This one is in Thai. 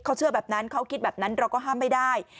เขาเชื่อแบบนั้นเขาคิดแบบนั้นเราก็ห้ามไม่ได้